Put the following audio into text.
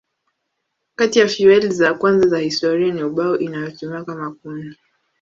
Kati ya fueli za kwanza za historia ni ubao inayotumiwa kama kuni.